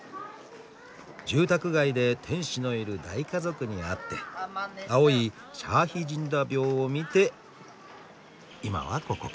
住宅街で天使のいる大家族に会って青いシャーヒジンダ廟を見て今はここか。